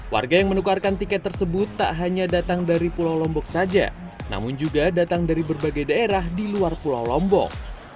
warga yang menukarkan tiket tersebut tak hanya datang dari pulau lombok saja namun juga datang dari berbagai daerah di luar pulau lombok